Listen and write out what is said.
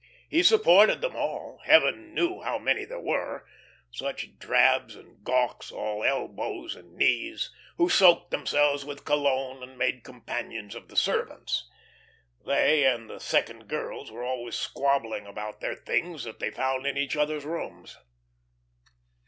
He supported them all; heaven knew how many there were; such drabs and gawks, all elbows and knees, who soaked themselves with cologne and made companions of the servants. They and the second girls were always squabbling about their things that they found in each other's rooms.